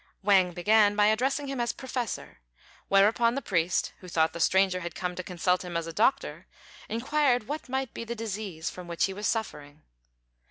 Wang began by addressing him as "Professor;" whereupon the priest, who thought the stranger had come to consult him as a doctor, inquired what might be the disease from which he was suffering.